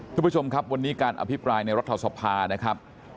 คุณผู้ชมครับวันนี้การอภิปรายในรัฐสภานะครับ